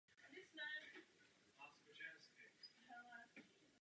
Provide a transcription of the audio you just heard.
Na ostrůvku však není nic zvláštního.